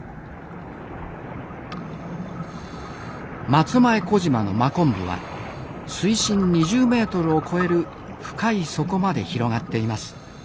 松前小島の真昆布は水深２０メートルを超える深い底まで広がっています。